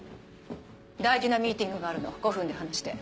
大事なミーティングがあるの５分で話して。